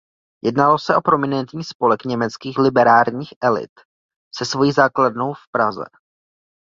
Jednalo se o prominentní spolek německých liberálních elit se svojí základnou v Praze.